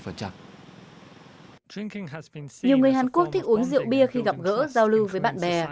nhiều người hàn quốc thích uống rượu bia khi gặp gỡ giao lưu với bạn bè